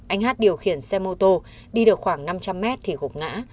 anh hát điều khiển xe mô tô đi được khoảng năm trăm linh mét thì gục ngã